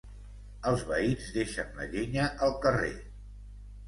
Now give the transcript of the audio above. Els veïns deixen la llenya al carrer.